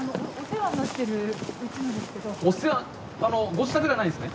ご自宅ではないんですね？